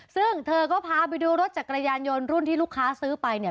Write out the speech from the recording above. ซึ่งเธอก็พาไปดูรถจักรยานยนต์รุ่นที่ลูกค้าซื้อไปเนี่ย